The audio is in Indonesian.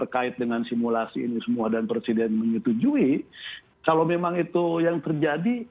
kalau memang itu yang terjadi